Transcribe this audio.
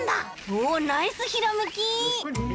おっナイスひらめき。